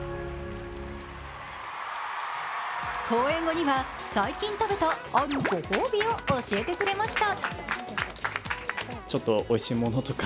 公演後には最近食べたあるご褒美を教えてくれました。